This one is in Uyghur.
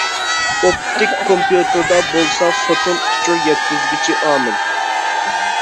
ئوپتىك كومپيۇتېردا بولسا فوتون ئۇچۇر يەتكۈزگۈچى ئامىل.